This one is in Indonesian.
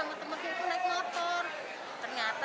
ternyata di jonggongan itu sudah ramai